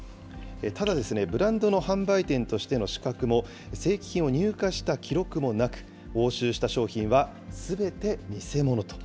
ただですね、ブランドの販売店としての資格も、正規品を入荷した記録もなく、押収した商品はすべて偽物と。